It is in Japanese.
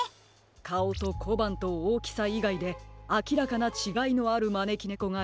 かおとこばんとおおきさいがいであきらかなちがいのあるまねきねこがひとつあります。